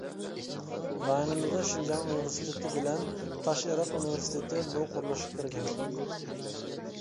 رايونىمىزدا شىنجاڭ ئۇنىۋېرسىتېتى بىلەن تاشئېرىق ئۇنىۋېرسىتېتى بۇ قۇرۇلۇشقا كىرگەن.